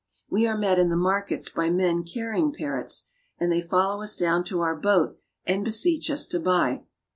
We are met in the markets by men carrying parrots, and they follow us down to our boat and beseech us to buy.